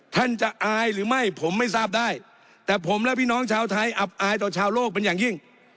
ท่านจะอายหรือไม่ผมไม่ทราบได้แต่ผมและพี่น้องชาวไทยอับอายต่อชาวโลกเป็นอย่างยิ่ง